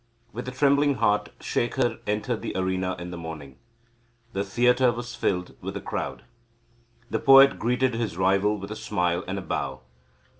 With a trembling heart Shekhar entered the arena in the morning. The theatre was filled with the crowd. The poet greeted his rival with a smile and a bow.